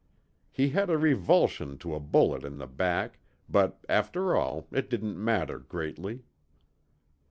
He had a revulsion to a bullet in the back, but after all it didn't matter greatly.